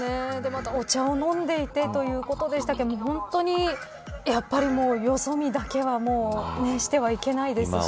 またお茶を飲んでいてということでしたけど本当によそ見だけはしてはいけないですね。